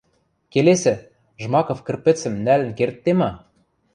Келесӹ, Жмаков кӹрпӹцӹм нӓлӹн кердде ма?